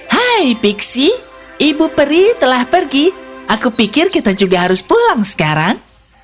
hai pixie ibu peri telah pergi aku pikir kita juga harus pulang sekarang